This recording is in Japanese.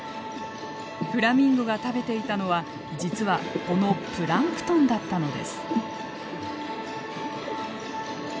フラミンゴが食べていたのは実はこのプランクトンだったのです。